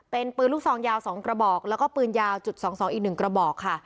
เป็นปืนลูกซองยาว๒กระบอกแล้วก็ปืนยาวจุด๒๒อีก๑กระบอกค่ะ